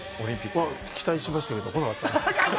期待しましたけど、来なかった。